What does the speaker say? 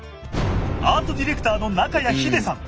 アートディレクターの中谷日出さん。